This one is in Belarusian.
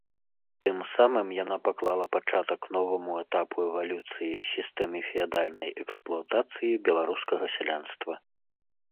Тым самым яна паклала пачатак новаму этапу эвалюцыі сістэмы феадальнай эксплуатацыі беларускага сялянства.